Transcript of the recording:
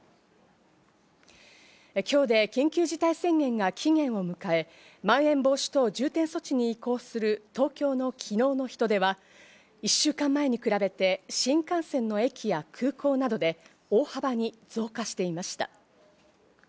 今日で緊急事態宣言が期限を迎え、まん延防止等重点措置に移行する東京の昨日の人出は１週間前に比べて新幹線の駅や空港などで大幅に増加していました。